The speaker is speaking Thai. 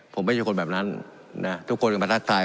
ผมไม่ใช่คนแบบนั้นนะทุกคนก็มาทักทาย